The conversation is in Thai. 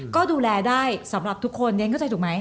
ก็ดูแลได้สำหรับทุกคนเรียนเข้าใจถูกไหม